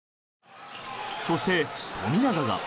そして、富永が。